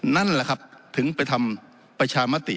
นั่นแหละครับถึงไปทำประชามติ